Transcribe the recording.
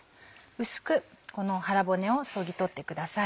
薄くこの腹骨をそぎ取ってください。